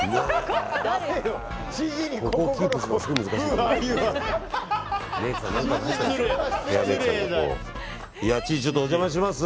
知事、ちょっとお邪魔します。